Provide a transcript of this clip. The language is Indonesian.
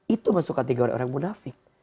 itu masuk kategori orang munafik